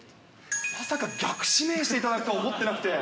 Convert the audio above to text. まさか、逆指名していただくとは思ってなくて。